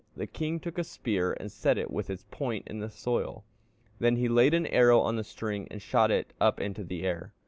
The king took a spear and set it with its point in the soil, then he laid an arrow on the string and shot up into the air.